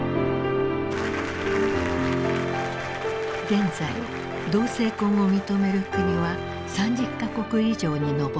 現在同性婚を認める国は３０か国以上に上っている。